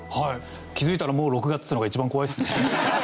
気づいたらもう６月っていうのが一番怖いですね。